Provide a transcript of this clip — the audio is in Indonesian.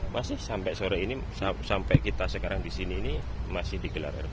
masih sampai sore ini sampai kita sekarang di sini ini masih dikelar